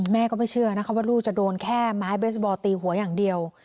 แม่ก็ไม่เชื่อนะคะว่าลูกจะโดนแค่ไม้เบสบอลตีหัวอย่างเดียว